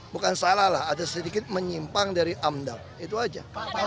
bukan salah lah ada sedikit menyimpang dari amdal itu aja